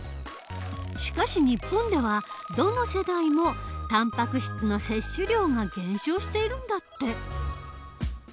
しかし日本ではどの世代もたんぱく質の摂取量が減少しているんだって。